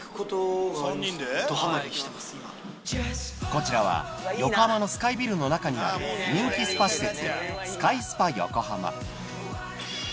こちらは横浜のスカイビルの中にある人気スパ施設